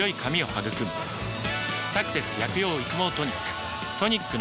「サクセス薬用育毛トニック」